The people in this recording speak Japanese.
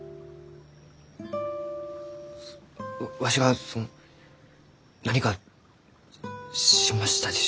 わしがその何かしましたでしょうか？